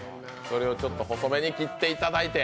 それを細めに切っていただいて。